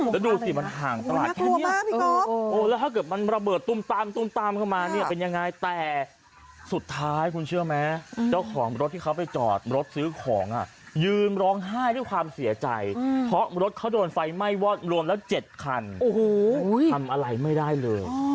แล้วดูสิมันห่างตลาดแค่นี้แล้วถ้าเกิดมันระเบิดตุ้มตามตุ้มตามเข้ามาเนี่ยเป็นยังไงแต่สุดท้ายคุณเชื่อไหมเจ้าของรถที่เขาไปจอดรถซื้อของอ่ะยืนร้องไห้ด้วยความเสียใจเพราะรถเขาโดนไฟไหม้วอดรวมแล้ว๗คันโอ้โหทำอะไรไม่ได้เลย